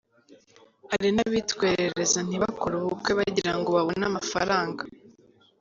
Hari n’abitwerereza ntibakore ubukwe bagira ngo babone amafaranga.